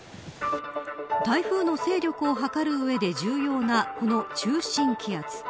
台風の勢力を図る上で重要なこの中心気圧。